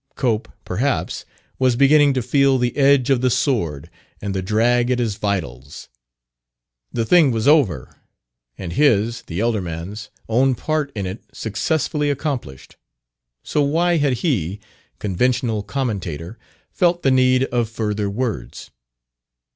Cope, perhaps, was beginning to feel the edge of the sword and the drag at his vitals. The thing was over, and his, the elder man's, own part in it successfully accomplished; so why had he, conventional commentator, felt the need of further words?